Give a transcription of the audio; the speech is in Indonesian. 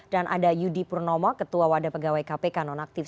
dan ada yudi purnomo ketua wadah pegawai kpk nonaktif